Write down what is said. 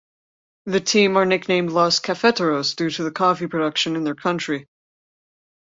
The team are nicknamed "Los Cafeteros" due to the coffee production in their country.